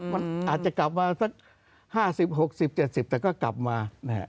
มันอาจจะกลับมาสัก๕๐๖๐๗๐แต่ก็กลับมา